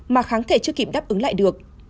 mà kháng thể chưa kịp đáp ứng lại được